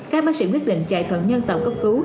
các bác sĩ quyết định chạy thận nhân tạo cấp cứu